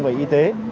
về y tế